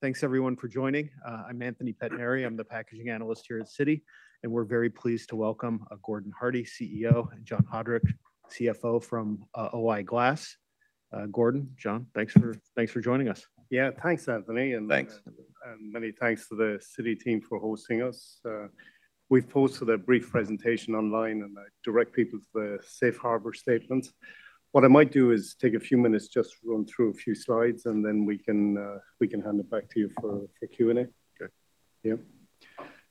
Thanks, everyone, for joining. I'm Anthony Pettinari. I'm the packaging analyst here at Citi, and we're very pleased to welcome Gordon Hardie, CEO, and John Haudrich, CFO from O-I Glass. Gordon, John, thanks for joining us. Yeah, thanks, Anthony. Thanks. Many thanks to the Citi team for hosting us. We've posted a brief presentation online, and I direct people to the safe harbor statement. What I might do is take a few minutes, just run through a few slides, and then we can hand it back to you for Q&A. Okay. Yeah,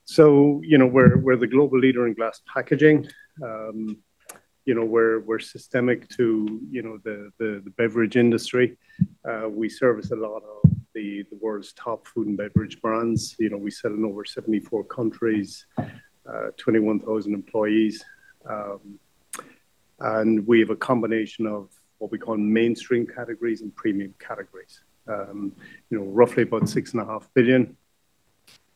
so, you know, we're the global leader in glass packaging. You know, we're systemic to the beverage industry. We service a lot of the world's top food and beverage brands. You know, we sell in over 74 countries, 21,000 employees, and we have a combination of what we call mainstream categories and premium categories. You know, roughly about $6.5 billion,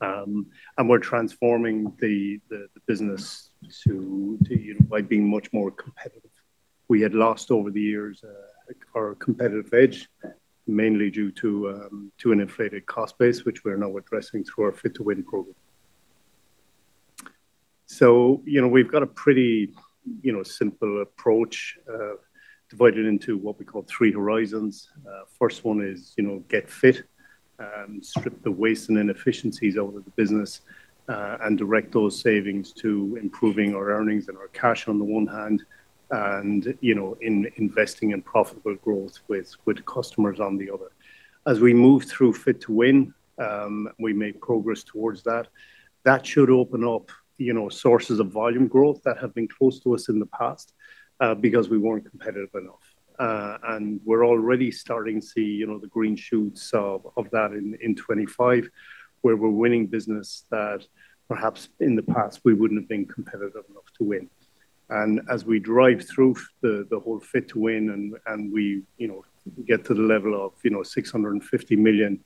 and we're transforming the business by being much more competitive. We had lost over the years our competitive edge, mainly due to an inflated cost base, which we're now addressing through our Fit-to-Win program. So, you know, we've got a pretty simple approach divided into what we call three horizons. First one is, you know, get fit, strip the waste and inefficiencies out of the business, and direct those savings to improving our earnings and our cash on the one hand, and, you know, investing in profitable growth with customers on the other. As we move through Fit-to-Win, we make progress towards that. That should open up, you know, sources of volume growth that have been close to us in the past because we weren't competitive enough. And we're already starting to see, you know, the green shoots of that in 2025, where we're winning business that perhaps in the past we wouldn't have been competitive enough to win. And as we drive through the whole Fit-to-Win and we, you know, get to the level of, you know, $650 million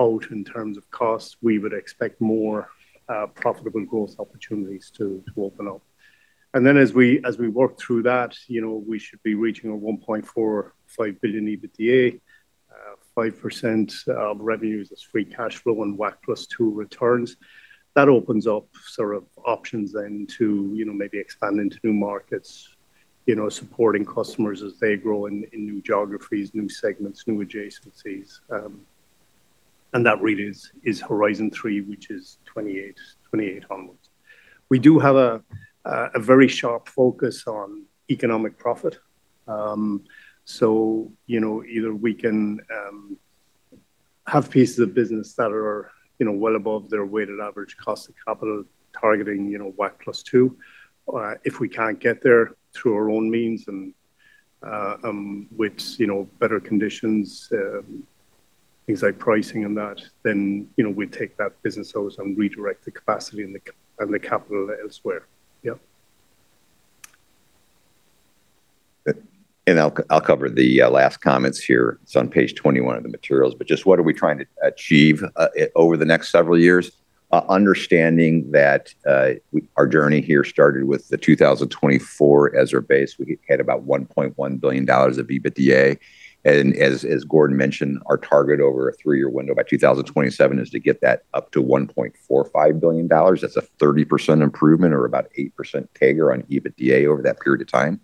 out in terms of cost, we would expect more profitable growth opportunities to open up. And then as we work through that, you know, we should be reaching a $1.45 billion EBITDA, 5% of revenues as free cash flow and WACC plus two returns. That opens up sort of options then to, you know, maybe expand into new markets, you know, supporting customers as they grow in new geographies, new segments, new adjacencies. And that really is horizon three, which is 2028, 2028 onwards. We do have a very sharp focus on economic profit. So, you know, either we can have pieces of business that are, you know, well above their weighted average cost of capital targeting, you know, WACC plus two. If we can't get there through our own means and with, you know, better conditions, things like pricing and that, then, you know, we take that business out and redirect the capacity and the capital elsewhere. Yeah. And I'll cover the last comments here. It's on page 21 of the materials, but just what are we trying to achieve over the next several years? Understanding that our journey here started with the 2024 as our base, we had about $1.1 billion of EBITDA. And as Gordon mentioned, our target over a three-year window by 2027 is to get that up to $1.45 billion. That's a 30% improvement or about 8% CAGR on EBITDA over that period of time.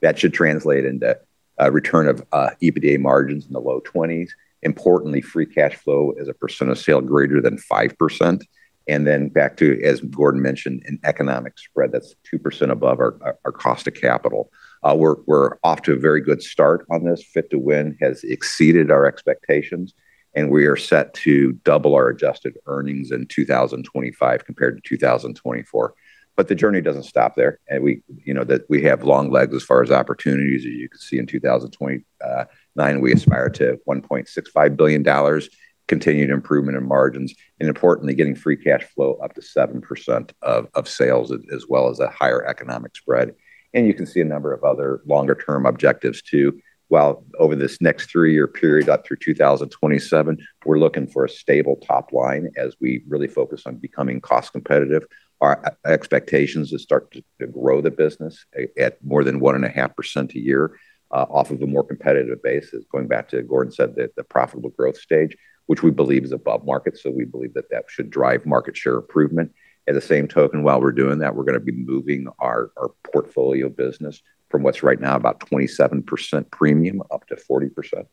That should translate into a return of EBITDA margins in the low 20s. Importantly, free cash flow is a percent of sale greater than 5%. And then back to, as Gordon mentioned, an economic spread, that's 2% above our cost of capital. We're off to a very good start on this. Fit-to-Win has exceeded our expectations, and we are set to double our adjusted earnings in 2025 compared to 2024. But the journey doesn't stop there. And we, you know, we have long legs as far as opportunities. As you can see in 2029, we aspire to $1.65 billion, continued improvement in margins, and importantly, getting free cash flow up to 7% of sales, as well as a higher economic spread. And you can see a number of other longer-term objectives too. While over this next three-year period up through 2027, we're looking for a stable top line as we really focus on becoming cost competitive. Our expectations to start to grow the business at more than 1.5% a year off of a more competitive base is going back to, Gordon said, the profitable growth stage, which we believe is above market. So we believe that that should drive market share improvement. At the same token, while we're doing that, we're going to be moving our portfolio business from what's right now about 27% premium up to 40%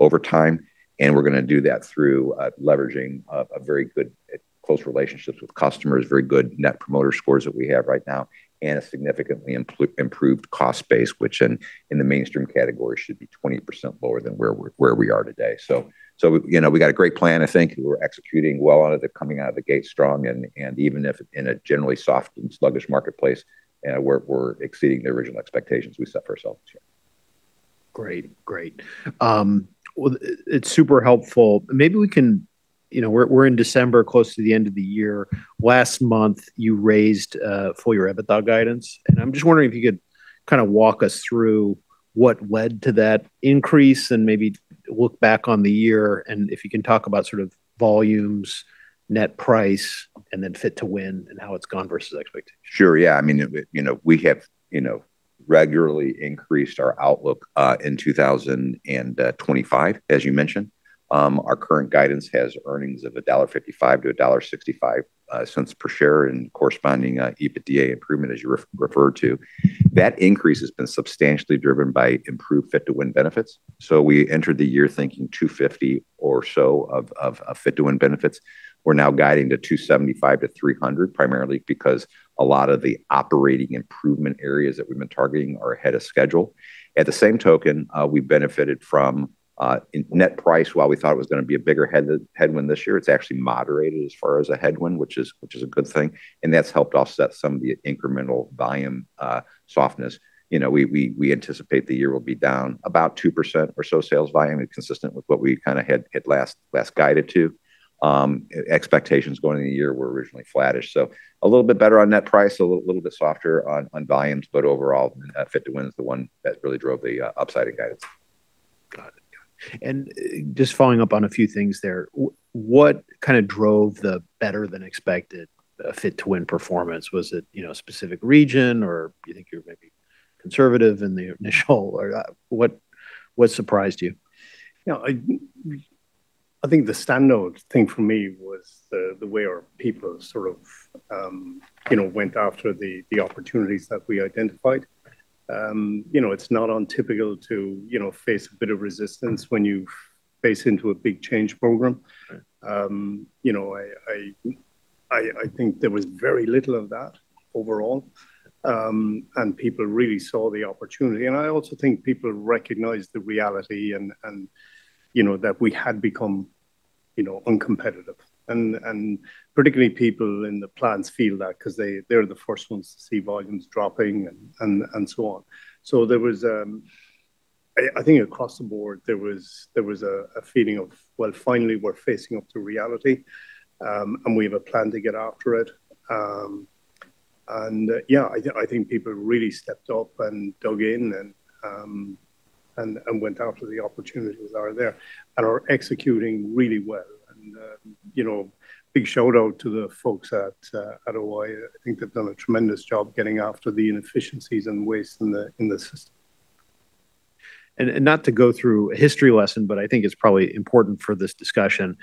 over time. And we're going to do that through leveraging very good close relationships with customers, very good net promoter scores that we have right now, and a significantly improved cost base, which in the mainstream category should be 20% lower than where we are today. So, you know, we got a great plan, I think. We're executing well on it, coming out of the gate strong, and even if in a generally soft and sluggish marketplace, we're exceeding the original expectations we set for ourselves here. Great, great. Well, it's super helpful. Maybe we can, you know, we're in December, close to the end of the year. Last month, you raised fully your EBITDA guidance, and I'm just wondering if you could kind of walk us through what led to that increase and maybe look back on the year, and if you can talk about sort of volumes, net price, and then Fit-to-Win and how it's gone versus expectation. Sure. Yeah. I mean, you know, we have, you know, regularly increased our outlook in 2025, as you mentioned. Our current guidance has earnings of $1.55-$1.65 per share and corresponding EBITDA improvement, as you referred to. That increase has been substantially driven by improved Fit-to-Win benefits. So we entered the year thinking 250 or so of Fit-to-Win benefits. We're now guiding to 275-300, primarily because a lot of the operating improvement areas that we've been targeting are ahead of schedule. At the same token, we benefited from net price. While we thought it was going to be a bigger headwind this year, it's actually moderated as far as a headwind, which is a good thing, and that's helped offset some of the incremental volume softness. You know, we anticipate the year will be down about 2% or so sales volume, consistent with what we kind of had last guided to. Expectations going into the year were originally flattish, so a little bit better on net price, a little bit softer on volumes, but overall, Fit-to-Win is the one that really drove the upside in guidance. Got it. And just following up on a few things there, what kind of drove the better than expected Fit-to-Win performance? Was it, you know, a specific region, or do you think you were maybe conservative in the initial? What surprised you? Yeah. I think the standout thing for me was the way our people sort of, you know, went after the opportunities that we identified. You know, it's not untypical to, you know, face a bit of resistance when you face into a big change program. You know, I think there was very little of that overall. And people really saw the opportunity. And I also think people recognized the reality and, you know, that we had become, you know, uncompetitive. And particularly people in the plants feel that because they're the first ones to see volumes dropping and so on. So there was, I think across the board, there was a feeling of, well, finally we're facing up to reality and we have a plan to get after it. And yeah, I think people really stepped up and dug in and went after the opportunities that are there and are executing really well. And, you know, big shout out to the folks at O-I. I think they've done a tremendous job getting after the inefficiencies and waste in the system. And not to go through a history lesson, but I think it's probably important for this discussion.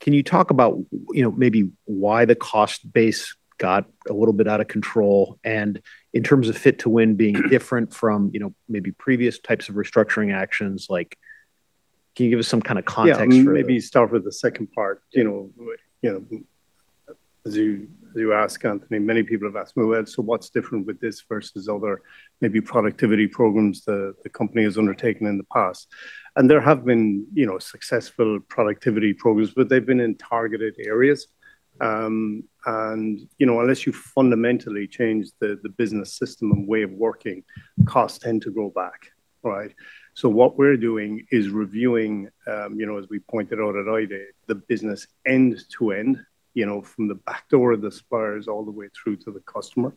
Can you talk about, you know, maybe why the cost base got a little bit out of control and in terms of Fit-to-Win being different from, you know, maybe previous types of restructuring actions? Like, can you give us some kind of context for it? Yeah, maybe start with the second part. You know, as you asked, Anthony, many people have asked me, well, so what's different with this versus other maybe productivity programs the company has undertaken in the past? And there have been, you know, successful productivity programs, but they've been in targeted areas. You know, unless you fundamentally change the business system and way of working, costs tend to go back, right? So what we're doing is reviewing, you know, as we pointed out at O-I, the business end-to-end, you know, from the back door of the suppliers all the way through to the customer.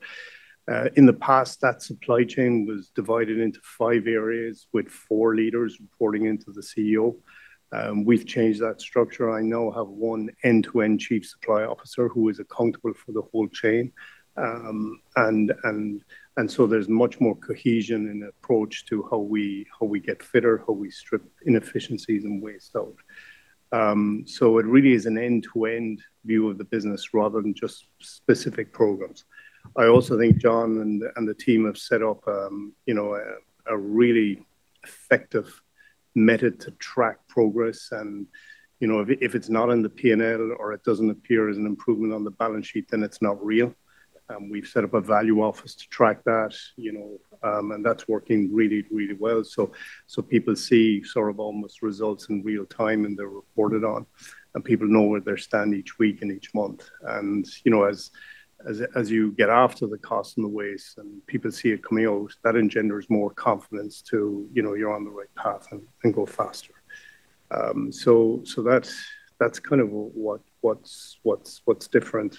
In the past, that supply chain was divided into five areas with four leaders reporting into the CEO. We've changed that structure. I now have one end-to-end Chief Supply Officer who is accountable for the whole chain. And so there's much more cohesion in the approach to how we get fitter, how we strip inefficiencies and waste out. So it really is an end-to-end view of the business rather than just specific programs. I also think John and the team have set up, you know, a really effective method to track progress. And, you know, if it's not in the P&L or it doesn't appear as an improvement on the balance sheet, then it's not real. We've set up a value office to track that, you know, and that's working really, really well. So people see sort of almost results in real time and they're reported on. And people know where they stand each week and each month. You know, as you get after the cost and the waste and people see it coming out, that engenders more confidence to, you know, you're on the right path and go faster. That's kind of what's different.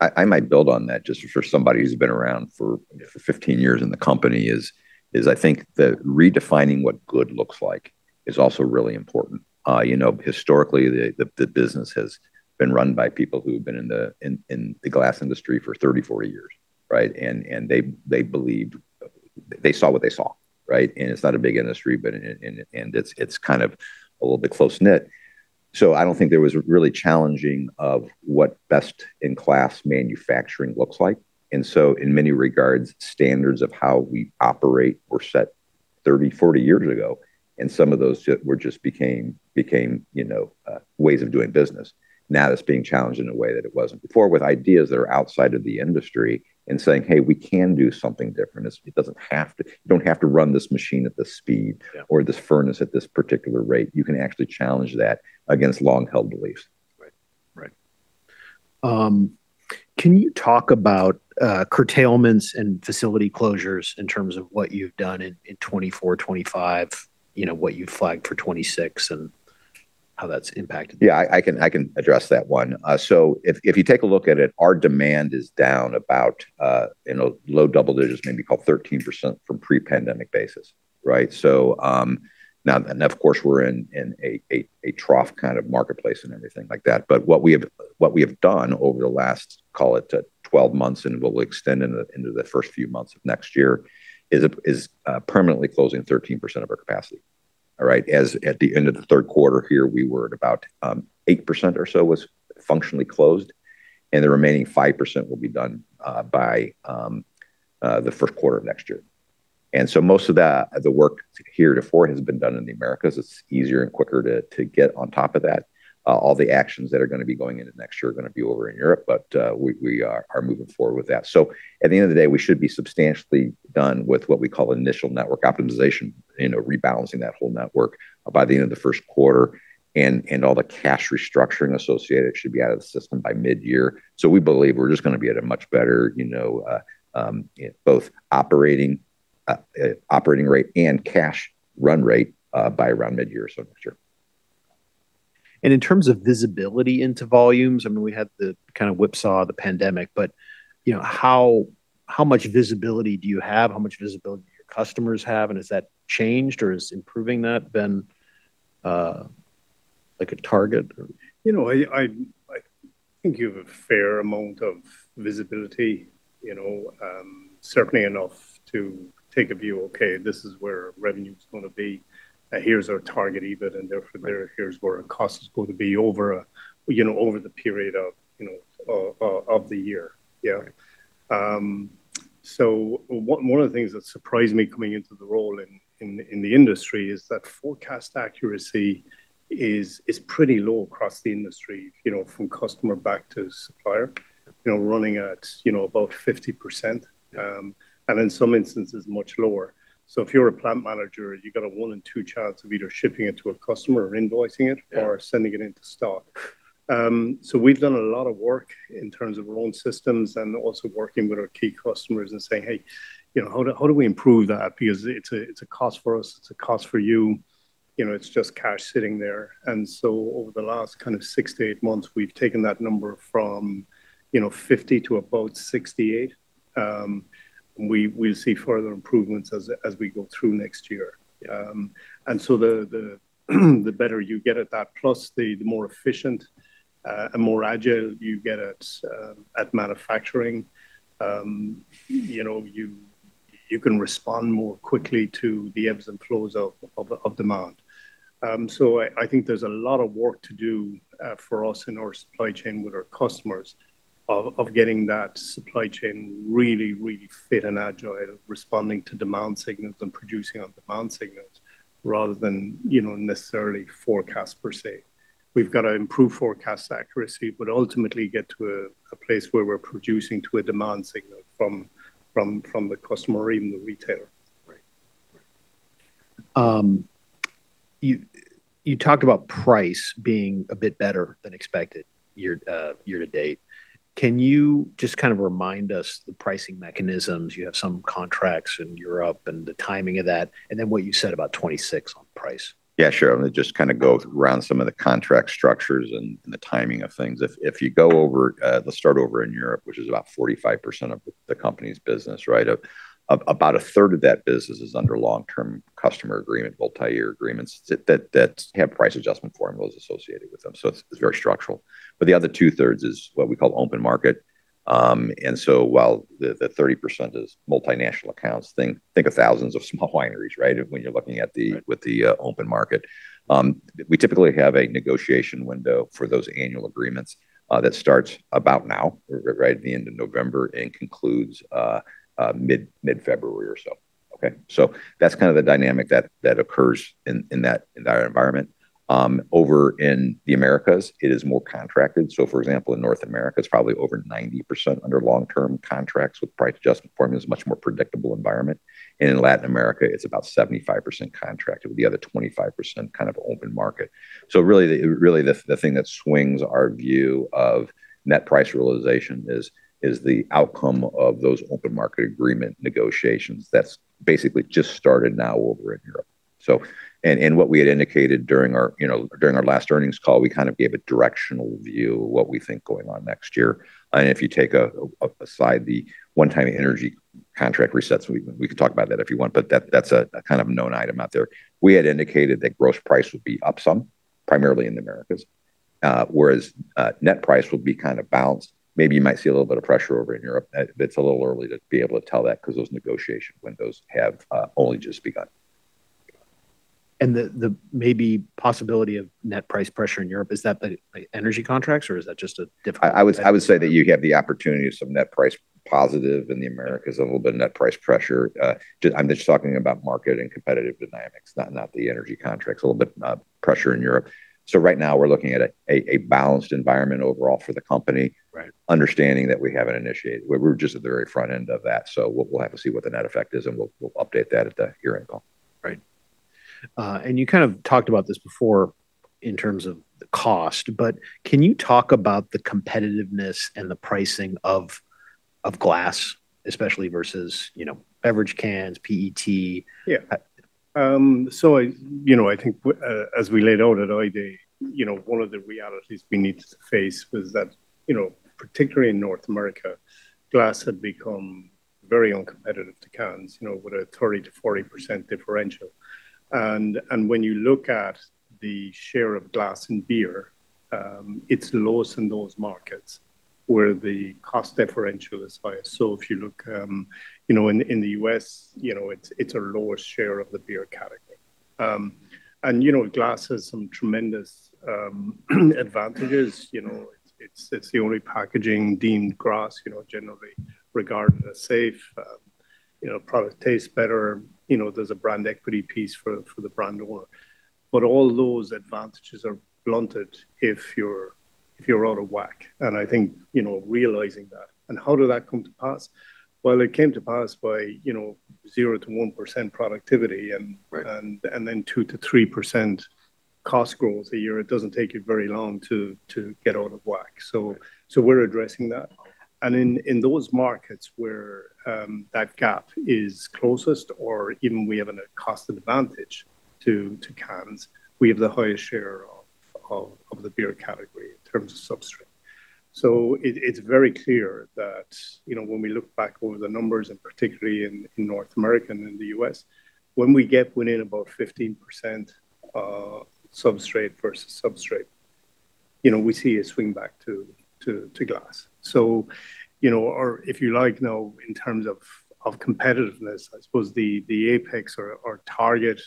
I might build on that just for somebody who's been around for 15 years in the company is, I think that redefining what good looks like is also really important. You know, historically, the business has been run by people who have been in the glass industry for 30, 40 years, right? And they believed they saw what they saw, right? And it's not a big industry, but it's kind of a little bit close-knit. So I don't think there was a really challenging of what best-in-class manufacturing looks like. And so in many regards, standards of how we operate were set 30, 40 years ago. And some of those were just became, you know, ways of doing business. Now that's being challenged in a way that it wasn't before with ideas that are outside of the industry and saying, hey, we can do something different. It doesn't have to, you don't have to run this machine at this speed or this furnace at this particular rate. You can actually challenge that against long-held beliefs. Right, right. Can you talk about curtailments and facility closures in terms of what you've done in 2024, 2025, you know, what you've flagged for 2026 and how that's impacted? Yeah, I can address that one. So if you take a look at it, our demand is down about, you know, low double digits, maybe called 13% from pre-pandemic basis, right? So now, and of course, we're in a trough kind of marketplace and everything like that. But what we have done over the last, call it 12 months and will extend into the first few months of next year is permanently closing 13% of our capacity, all right? As at the end of the third quarter here, we were at about 8% or so was functionally closed. And the remaining 5% will be done by the first quarter of next year. And so most of the work here theretofore has been done in the Americas. It's easier and quicker to get on top of that. All the actions that are going to be going into next year are going to be over in Europe, but we are moving forward with that, so at the end of the day, we should be substantially done with what we call initial network optimization, you know, rebalancing that whole network by the end of the first quarter, and all the cash restructuring associated should be out of the system by mid-year, so we believe we're just going to be at a much better, you know, both operating rate and cash run rate by around mid-year or so next year. In terms of visibility into volumes, I mean, we had the kind of whipsaw of the pandemic, but, you know, how much visibility do you have? How much visibility do your customers have? And has that changed or is improving that been like a target? You know, I think you have a fair amount of visibility, you know, certainly enough to take a view, okay, this is where revenue is going to be. Here's our target even, and therefore here's where our cost is going to be over, you know, over the period of, you know, of the year. Yeah. So one of the things that surprised me coming into the role in the industry is that forecast accuracy is pretty low across the industry, you know, from customer back to supplier, you know, running at, you know, about 50%. And in some instances, much lower. So if you're a plant manager, you've got a one in two chance of either shipping it to a customer or invoicing it or sending it into stock. So we've done a lot of work in terms of our own systems and also working with our key customers and saying, hey, you know, how do we improve that? Because it's a cost for us, it's a cost for you, you know, it's just cash sitting there. And so over the last kind of six to eight months, we've taken that number from, you know, 50 to about 68. We'll see further improvements as we go through next year. And so the better you get at that, plus the more efficient and more agile you get at manufacturing, you know, you can respond more quickly to the ebbs and flows of demand. I think there's a lot of work to do for us in our supply chain with our customers of getting that supply chain really, really fit and agile, responding to demand signals and producing on demand signals rather than, you know, necessarily forecast per se. We've got to improve forecast accuracy, but ultimately get to a place where we're producing to a demand signal from the customer or even the retailer. Right, right. You talked about price being a bit better than expected year to date. Can you just kind of remind us the pricing mechanisms? You have some contracts in Europe and the timing of that, and then what you said about 2026 on price? Yeah, sure. I'm going to just kind of go around some of the contract structures and the timing of things. If you go over, let's start over in Europe, which is about 45% of the company's business, right? About a third of that business is under long-term customer agreement, multi-year agreements that have price adjustment formulas associated with them. So it's very structural. But the other two-thirds is what we call open market. And so while the 30% is multinational accounts, think of thousands of small wineries, right? When you're looking at the open market, we typically have a negotiation window for those annual agreements that starts about now, right? The end of November and concludes mid-February or so. Okay. So that's kind of the dynamic that occurs in that environment. Over in the Americas, it is more contracted. So for example, in North America, it's probably over 90% under long-term contracts with price adjustment formulas, much more predictable environment, and in Latin America, it's about 75% contracted with the other 25% kind of open market. Really, the thing that swings our view of net price realization is the outcome of those open market agreement negotiations that's basically just started now over in Europe. And what we had indicated during our, you know, during our last earnings call, we kind of gave a directional view of what we think going on next year. If you take aside the one-time energy contract resets, we can talk about that if you want, but that's a kind of known item out there. We had indicated that gross price would be up some, primarily in the Americas, whereas net price would be kind of balanced. Maybe you might see a little bit of pressure over in Europe. It's a little early to be able to tell that because those negotiation windows have only just begun. The maybe possibility of net price pressure in Europe, is that energy contracts or is that just a different? I would say that you have the opportunity of some net price positive in the Americas, a little bit of net price pressure. I'm just talking about market and competitive dynamics, not the energy contracts, a little bit of pressure in Europe. So right now we're looking at a balanced environment overall for the company, understanding that we haven't initiated. We're just at the very front end of that. So we'll have to see what the net effect is and we'll update that at the earnings call. Right, and you kind of talked about this before in terms of the cost, but can you talk about the competitiveness and the pricing of glass, especially versus, you know, beverage cans, PET? Yeah, so you know, I think as we laid out at O-I, you know, one of the realities we need to face was that, you know, particularly in North America, glass had become very uncompetitive to cans, you know, with a 30%-40% differential, and when you look at the share of glass and beer, it's lowest in those markets where the cost differential is highest, so if you look, you know, in the U.S., you know, it's our lowest share of the beer category, and, you know, glass has some tremendous advantages. You know, it's the only packaging deemed GRAS, you know, generally recognized as safe. You know, product tastes better. You know, there's a brand equity piece for the brand owner, but all those advantages are blunted if you're out of whack, and I think, you know, realizing that, and how did that come to pass? It came to pass by, you know, 0-1% productivity and then 2-3% cost growth a year. It doesn't take you very long to get out of whack. So we're addressing that. And in those markets where that gap is closest or even we have a cost advantage to cans, we have the highest share of the beer category in terms of substrate. So it's very clear that, you know, when we look back over the numbers and particularly in North America and in the U.S, when we get within about 15% substrate versus substrate, you know, we see a swing back to glass. So, you know, if you like, now in terms of competitiveness, I suppose the apex or target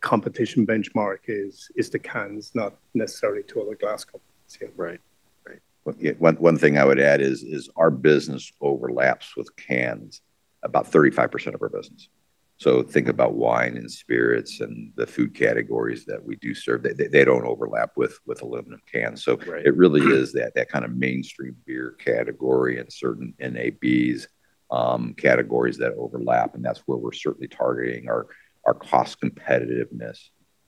competition benchmark is the cans, not necessarily to other glass companies. Right, right. One thing I would add is our business overlaps with cans about 35% of our business. So think about wine and spirits and the food categories that we do serve. They don't overlap with aluminum cans. So it really is that kind of mainstream beer category and certain NABs categories that overlap. And that's where we're certainly targeting our cost competitiveness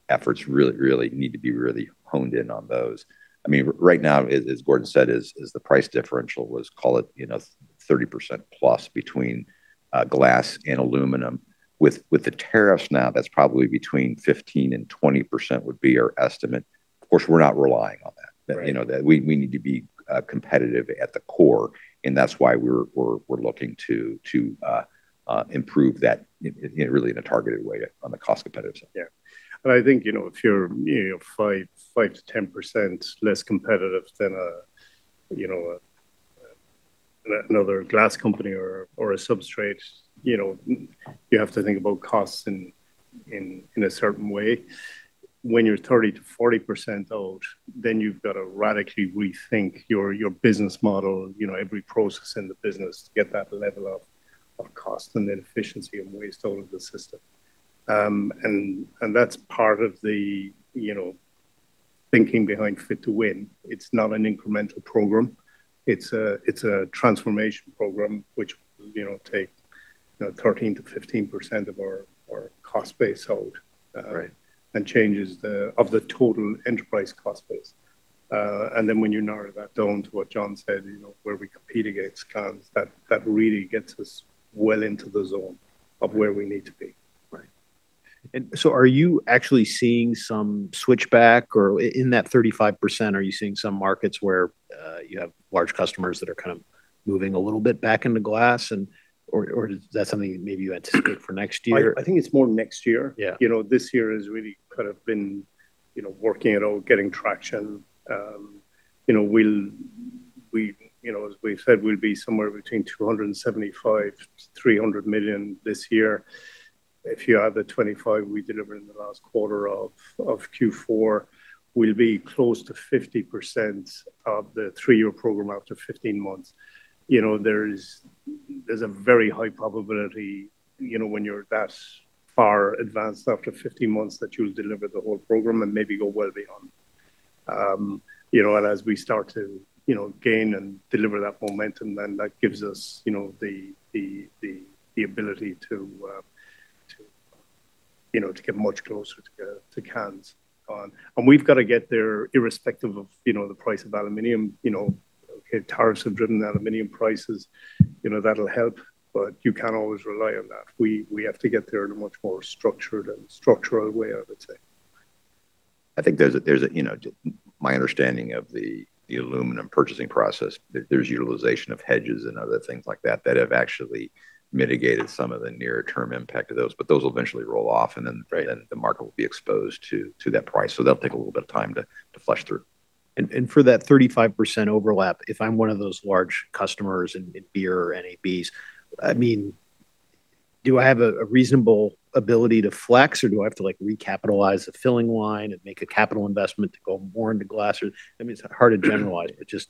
efforts really, really need to be really honed in on those. I mean, right now, as Gordon said, is the price differential was, call it, you know, 30% plus between glass and aluminum. With the tariffs now, that's probably between 15%-20% would be our estimate. Of course, we're not relying on that. You know, we need to be competitive at the core. And that's why we're looking to improve that really in a targeted way on the cost competitive side. Yeah. And I think, you know, if you're 5%-10% less competitive than, you know, another glass company or a substrate, you know, you have to think about costs in a certain way. When you're 30%-40% out, then you've got to radically rethink your business model, you know, every process in the business to get that level of cost and inefficiency and waste out of the system. And that's part of the, you know, thinking behind Fit to Win. It's not an incremental program. It's a transformation program, which will, you know, take 13%-15% of our cost base out and changes the total enterprise cost base. And then when you narrow that down to what John said, you know, where we compete against cans, that really gets us well into the zone of where we need to be. Right, and so are you actually seeing some switchback or in that 35%, are you seeing some markets where you have large customers that are kind of moving a little bit back into glass? And or is that something maybe you anticipate for next year? I think it's more next year. You know, this year has really kind of been, you know, working it out, getting traction. You know, we'll, you know, as we said, we'll be somewhere between $275 million-$300 million this year. If you add the $25 million we delivered in the last quarter of Q4, we'll be close to 50% of the three-year program after 15 months. You know, there's a very high probability, you know, when you're that far advanced after 15 months that you'll deliver the whole program and maybe go well beyond. You know, and as we start to, you know, gain and deliver that momentum, then that gives us, you know, the ability to, you know, to get much closer to cans. And we've got to get there irrespective of, you know, the price of aluminum. You know, tariffs have driven the aluminum prices. You know, that'll help, but you can't always rely on that. We have to get there in a much more structured and structural way, I would say. I think there's you know, my understanding of the aluminum purchasing process, there's utilization of hedges and other things like that that have actually mitigated some of the near-term impact of those, but those will eventually roll off and then the market will be exposed to that price so they'll take a little bit of time to flush through. And for that 35% overlap, if I'm one of those large customers in beer or NABs, I mean, do I have a reasonable ability to flex or do I have to like recapitalize the filling line and make a capital investment to go more into glass? I mean, it's hard to generalize, but just.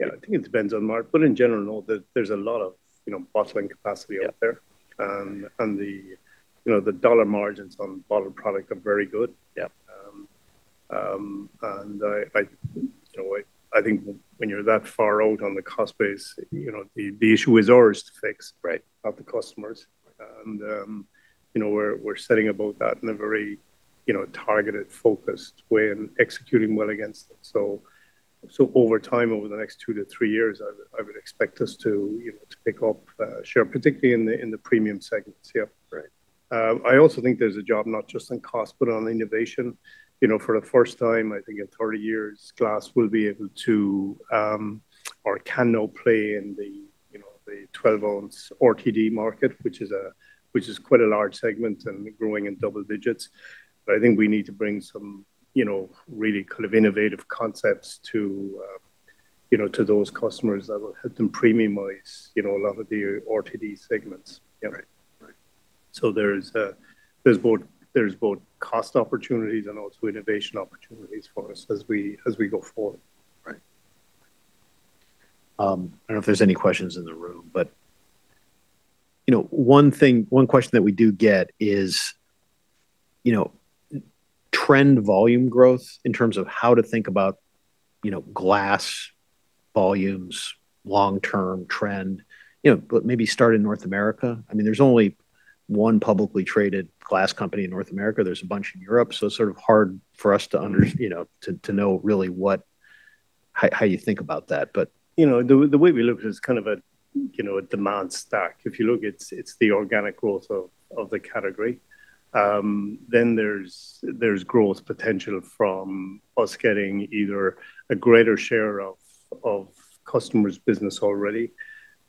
Yeah, I think it depends on the market, but in general, no, there's a lot of, you know, bottling capacity out there. The, you know, the dollar margins on bottled product are very good. I, you know, I think when you're that far out on the cost base, you know, the issue is ours to fix, not the customers. We're setting about that in a very, you know, targeted, focused way and executing well against it. Over time, over the next two to three years, I would expect us to, you know, to pick up share, particularly in the premium segments. Yeah. I also think there's a job not just on cost, but on innovation. You know, for the first time, I think in 30 years, glass will be able to or can now play in the, you know, the 12-ounce RTD market, which is quite a large segment and growing in double digits. But I think we need to bring some, you know, really kind of innovative concepts to, you know, to those customers that will help them premiumize, you know, a lot of the RTD segments. Yeah. So there's both cost opportunities and also innovation opportunities for us as we go forward. Right. I don't know if there's any questions in the room, but, you know, one question that we do get is, you know, trend volume growth in terms of how to think about, you know, glass volumes, long-term trend, you know, but maybe start in North America. I mean, there's only one publicly traded glass company in North America. There's a bunch in Europe. So it's sort of hard for us to, you know, to know really how you think about that. But. You know, the way we look at it is kind of a, you know, demand stack. If you look, it's the organic growth of the category. Then there's growth potential from us getting either a greater share of customers' business already.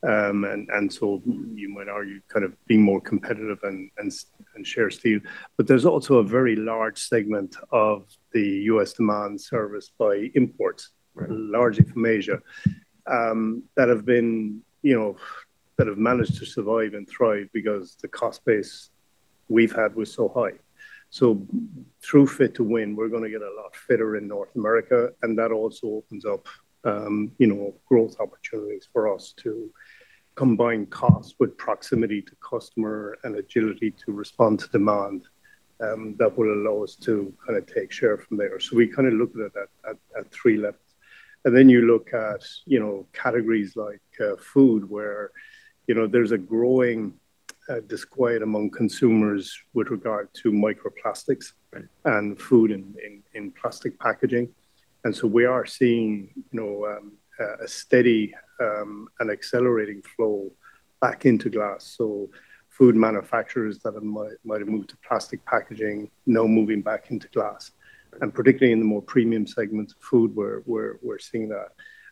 And so you might argue kind of being more competitive and share steal. But there's also a very large segment of the U.S. demand serviced by imports, largely from Asia, that have been, you know, that have managed to survive and thrive because the cost base we've had was so high. So through Fit to Win, we're going to get a lot fitter in North America. And that also opens up, you know, growth opportunities for us to combine cost with proximity to customer and agility to respond to demand that will allow us to kind of take share from there. So we kind of look at that at three levels. And then you look at, you know, categories like food where, you know, there's a growing disquiet among consumers with regard to microplastics and food in plastic packaging. And so we are seeing, you know, a steady and accelerating flow back into glass. So food manufacturers that might have moved to plastic packaging, now moving back into glass. And particularly in the more premium segments of food, we're seeing that.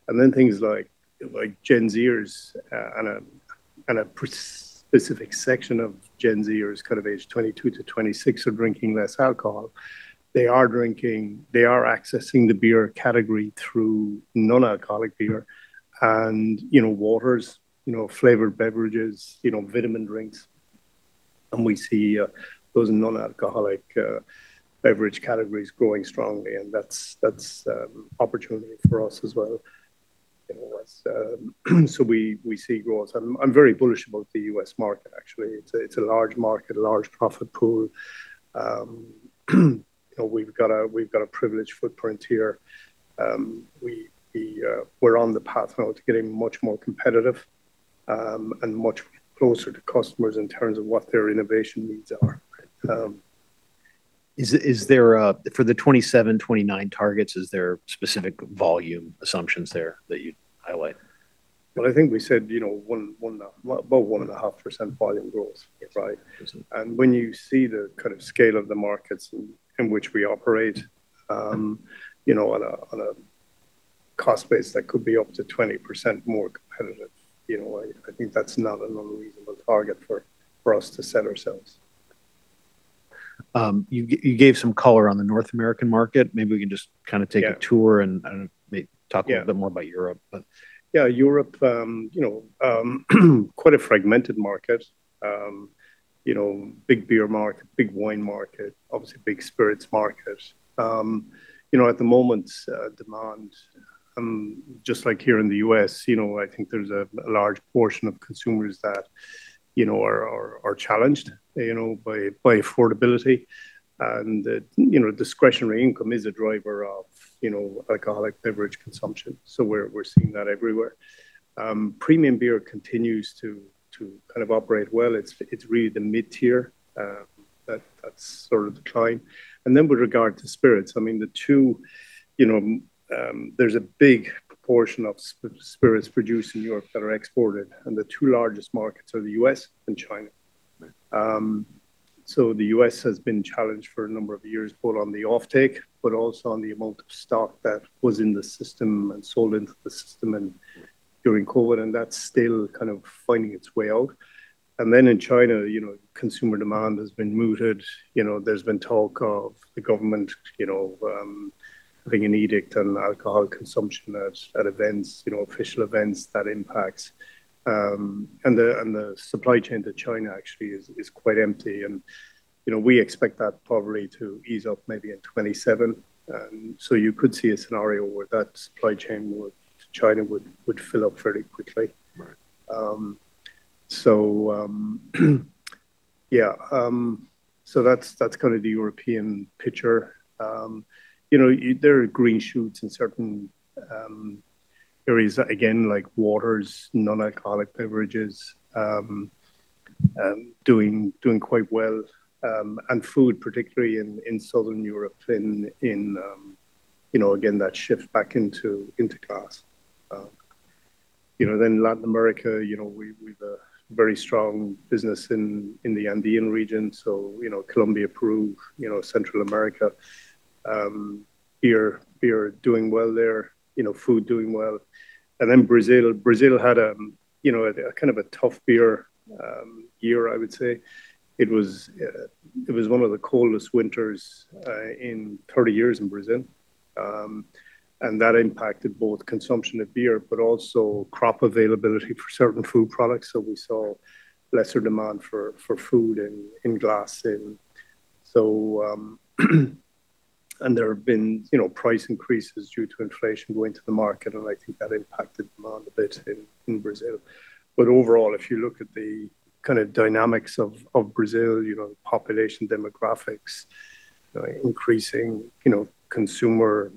And then things like Gen Zers and a specific section of Gen Zers kind of age 22-26 are drinking less alcohol. They are drinking, they are accessing the beer category through non-alcoholic beer and, you know, waters, you know, flavored beverages, you know, vitamin drinks. And we see those non-alcoholic beverage categories growing strongly. And that's opportunity for us as well. So we see growth. I'm very bullish about the U.S. market, actually. It's a large market, a large profit pool. You know, we've got a privileged footprint here. We're on the path now to getting much more competitive and much closer to customers in terms of what their innovation needs are. Is there for the 2027, 2029 targets, is there specific volume assumptions there that you highlight? I think we said, you know, about 1.5% volume growth, right? And when you see the kind of scale of the markets in which we operate, you know, on a cost base that could be up to 20% more competitive, you know, I think that's not an unreasonable target for us to set ourselves. You gave some color on the North American market. Maybe we can just kind of take a tour and talk a little bit more about Europe. Yeah, Europe, you know, quite a fragmented market. You know, big beer market, big wine market, obviously big spirits market. You know, at the moment, demand, just like here in the U.S., you know, I think there's a large portion of consumers that, you know, are challenged, you know, by affordability. And, you know, discretionary income is a driver of, you know, alcoholic beverage consumption. So we're seeing that everywhere. Premium beer continues to kind of operate well. It's really the mid-tier that's sort of declined. And then with regard to spirits, I mean, the two, you know, there's a big proportion of spirits produced in Europe that are exported. And the two largest markets are the U.S. and China. The U.S. has been challenged for a number of years, both on the offtake, but also on the amount of stock that was in the system and sold into the system during COVID. That's still kind of finding its way out. Then in China, you know, consumer demand has been mooted. You know, there's been talk of the government, you know, having an edict on alcohol consumption at events, you know, official events that impacts. The supply chain to China actually is quite empty. You know, we expect that probably to ease up maybe in 2027. So you could see a scenario where that supply chain to China would fill up fairly quickly. Yeah, so that's kind of the European picture. You know, there are green shoots in certain areas, again, like waters, non-alcoholic beverages doing quite well. Food, particularly in Southern Europe, in, you know, again, that shift back into glass. You know, then Latin America, you know, we have a very strong business in the Andean region. So, you know, Colombia, Peru, you know, Central America, beer doing well there, you know, food doing well. And then Brazil, Brazil had a, you know, kind of a tough beer year, I would say. It was one of the coldest winters in 30 years in Brazil. And that impacted both consumption of beer, but also crop availability for certain food products. So we saw lesser demand for food in glass. And there have been, you know, price increases due to inflation going to the market. And I think that impacted demand a bit in Brazil. But overall, if you look at the kind of dynamics of Brazil, you know, population demographics, increasing, you know, consumer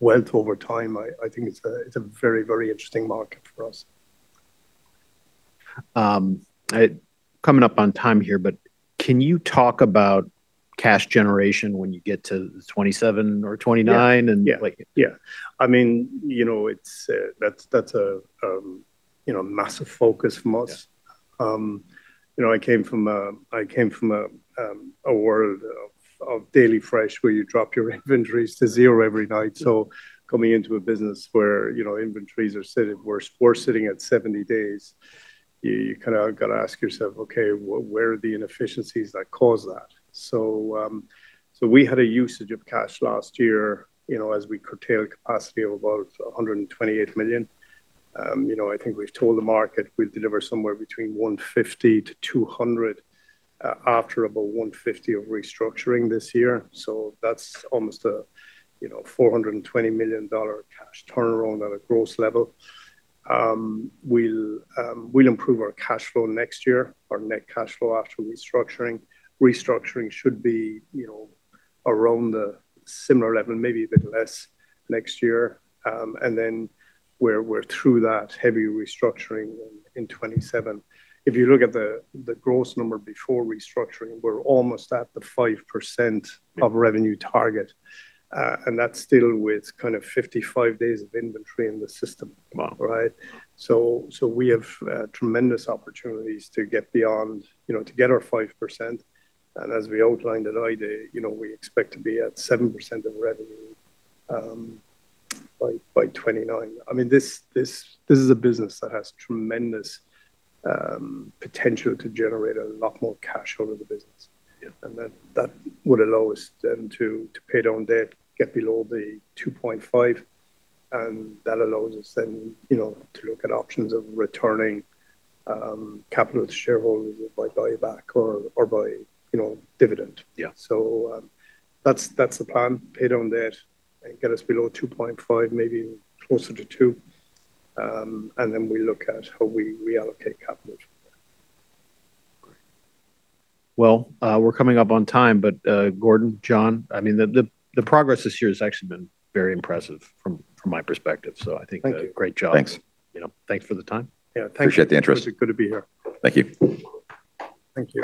wealth over time, I think it's a very, very interesting market for us. Coming up on time here, but can you talk about cash generation when you get to 2027 or 2029? Yeah. I mean, you know, that's a, you know, massive focus for us. You know, I came from a world of daily fresh where you drop your inventories to zero every night. So coming into a business where, you know, inventories are sitting, we're sitting at 70 days, you kind of got to ask yourself, okay, where are the inefficiencies that cause that? So we had a usage of cash last year, you know, as we curtailed capacity of about $128 million. You know, I think we've told the market we'll deliver somewhere between $150-$200 after about $150 of restructuring this year. So that's almost a, you know, $420 million cash turnaround at a gross level. We'll improve our cash flow next year, our net cash flow after restructuring. Restructuring should be, you know, around a similar level, maybe a bit less next year. And then we're through that heavy restructuring in 2027. If you look at the gross number before restructuring, we're almost at the 5% of revenue target. And that's still with kind of 55 days of inventory in the system, right? So we have tremendous opportunities to get beyond, you know, to get our 5%. And as we outlined at IDA, you know, we expect to be at 7% of revenue by 2029. I mean, this is a business that has tremendous potential to generate a lot more cash out of the business. And that would allow us then to pay down debt, get below the 2.5. And that allows us then, you know, to look at options of returning capital to shareholders by buyback or by, you know, dividend. So that's the plan, pay down debt and get us below 2.5, maybe closer to 2. And then we look at how we reallocate capital. We're coming up on time, but Gordon, John, I mean, the progress this year has actually been very impressive from my perspective. I think great job. Thanks for the time. Yeah, thank you. Appreciate the interest. It's good to be here. Thank you. Thank you.